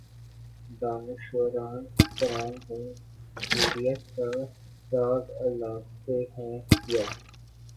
دانشوران کرام جمہوریت کا راگ الاپتے ہیں یا